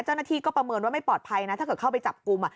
เจ้าหน้าที่ก็ประเมินว่าไม่ปลอดภัยนะถ้าเกิดเข้าไปจับกลุ่ม